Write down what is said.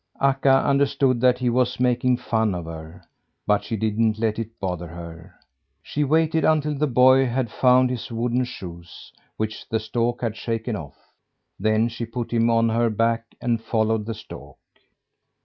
Akka understood that he was making fun of her, but she didn't let it bother her. She waited until the boy had found his wooden shoes, which the stork had shaken off; then she put him on her back and followed the stork.